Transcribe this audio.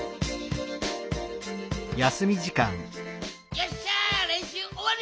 よっしゃれんしゅうおわり！